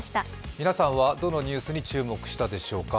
皆さんはどのニュースに注目したでしょうか。